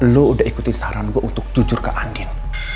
lo udah ikuti saran gue untuk jujur ke angin